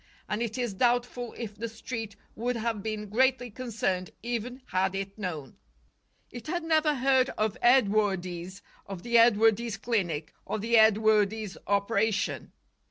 And it is doubtful if the Street would have been greatly concerned even had it known. It had never heard of Edwardes, of the Edwardes clinic or the Edwardes operation.